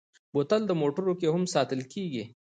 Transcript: بوتل د موټرو کې هم ساتل کېږي.